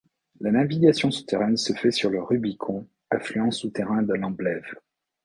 La navigation souterraine se fait sur le Rubicon, affluent souterrain de l'Amblève.